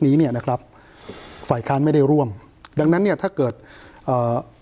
เนี้ยนะครับฝ่ายค้านไม่ได้ร่วมดังนั้นเนี่ยถ้าเกิดเอ่อ